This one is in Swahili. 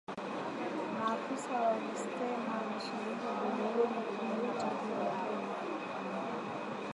Maafisa walisema ni shilingi bilioni kumi na tatu za Kenya